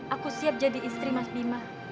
aku siap jadi istri mas bima